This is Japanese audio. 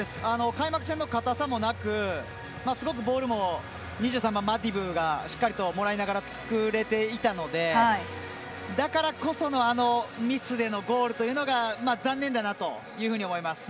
開幕戦の硬さもなくすごくボールも２３番、マディブーがしっかりともらいながら作れていたのでだからこそのあのミスでのゴールというのが残念だなというふうに思います。